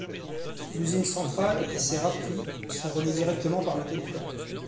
L'Usine centrale et ses râperies sont reliées directement par le téléphone.